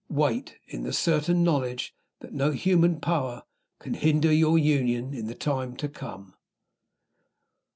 Wait in the certain knowledge that no human power can hinder your union in the time to come."